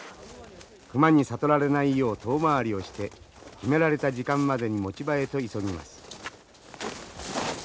熊に悟られないよう遠回りをして決められた時間までに持ち場へと急ぎます。